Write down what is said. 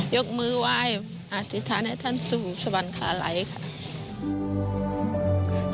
ยกมือไหวอธิษฐานให้ท่านสู่ชะวัญคาไหลค่ะ